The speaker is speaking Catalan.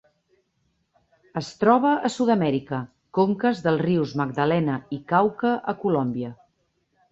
Es troba a Sud-amèrica: conques dels rius Magdalena i Cauca a Colòmbia.